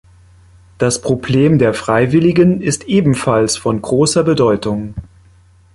Das Problem der Freiwilligen ist ebenfalls von großer Bedeutung.